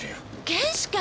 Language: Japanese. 検視官！